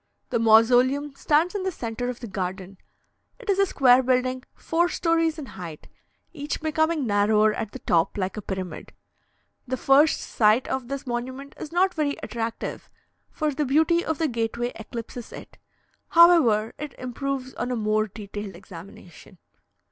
The mausoleum stands in the centre of the garden; it is a square building four stories in height, each becoming narrower at the top, like a pyramid. The first sight of this monument is not very attractive, for the beauty of the gateway eclipses it; however, it improves on a more detailed examination.